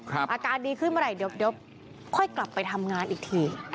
อาการดีขึ้นเมื่อไหร่เดี๋ยวค่อยกลับไปทำงานอีกที